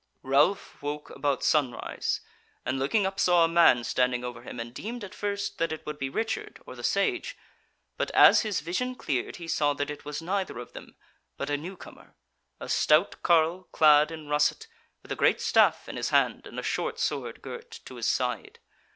Ralph woke about sunrise, and looking up saw a man standing over him, and deemed at first that it would be Richard or the Sage; but as his vision cleared, he saw that it was neither of them, but a new comer; a stout carle clad in russet, with a great staff in his hand and a short sword girt to his side.